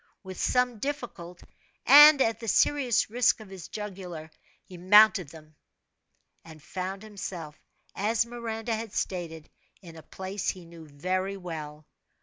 With some difficult, and at the serious risk of his jugular, he mounted them, and found himself, as Miranda had stated, in a place he knew very well.